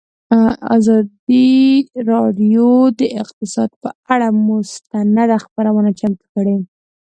ازادي راډیو د اقتصاد پر اړه مستند خپرونه چمتو کړې.